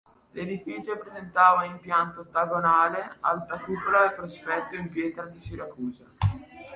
L'edificio presentava un impianto ottagonale, alta cupola e prospetto in pietra di Siracusa.